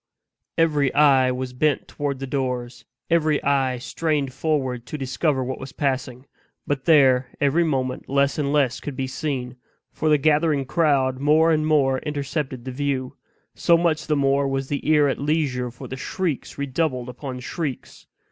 Every eye was bent toward the doors every eye strained forward to discover what was passing. But there, every moment, less and less could be seen, for the gathering crowd more and more intercepted the view; so much the more was the ear at leisure for the shrieks redoubled upon shrieks.